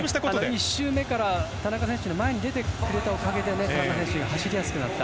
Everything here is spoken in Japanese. １周目から田中選手より前に出てくれたおかげで田中選手、走りやすくなった。